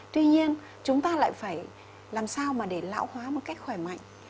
tuy nhiên chúng ta lại phải làm sao mà để lão hóa một cách khỏe mạnh